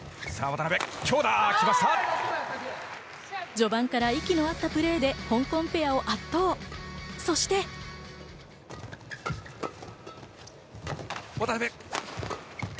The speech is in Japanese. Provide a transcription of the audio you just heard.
序盤から息の合ったプレーで香港ペアを圧倒。